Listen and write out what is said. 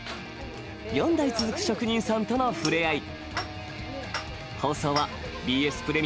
４代続く職人さんとの触れ合い。